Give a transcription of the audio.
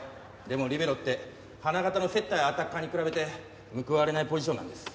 でもリベロって花形のセッターやアタッカーに比べて報われないポジションなんです。